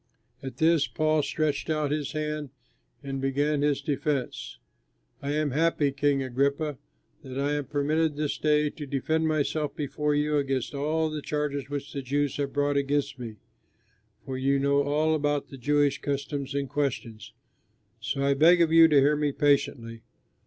At this Paul stretched out his hand and began his defense: "I am happy, King Agrippa, that I am permitted this day to defend myself before you against all the charges which the Jews have brought against me, for you know all about the Jewish customs and questions. So I beg of you to hear me patiently.